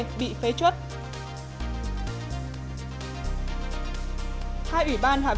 hai ủy ban hạ viện mỹ phê chuẩn kế hoạch thay thế đạo luật obama kè